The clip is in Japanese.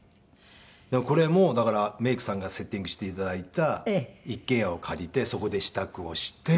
これもだからメイクさんがセッティングして頂いた一軒家を借りてそこで支度をして。